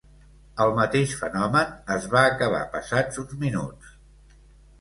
El mateix fenomen es va acabar passats uns minuts.